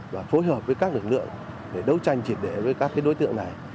và phối hợp với các lực lượng để đấu tranh triệt để với các đối tượng này